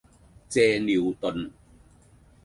借尿遁